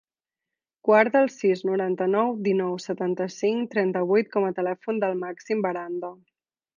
Guarda el sis, noranta-nou, dinou, setanta-cinc, trenta-vuit com a telèfon del Màxim Baranda.